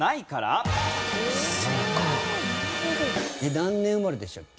何年生まれでしたっけ？